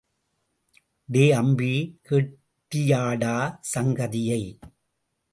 டே அம்பி கேட்டியாடா சங்கதியை!